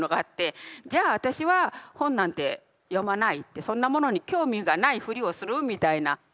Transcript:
じゃあ私は本なんて読まないってそんなものに興味がないふりをするみたいな。